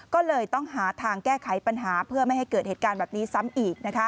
ก็เลยต้องหาทางแก้ไขปัญหาเพื่อไม่ให้เกิดเหตุการณ์แบบนี้ซ้ำอีก